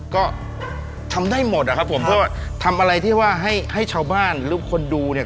ก็ทำได้หมดอะครับผมเพราะว่าทำอะไรที่ว่าให้ให้ชาวบ้านหรือคนดูเนี่ย